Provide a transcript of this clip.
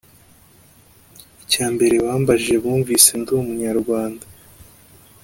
“icya mbere bambajije bumvise ndi Umunyarwanda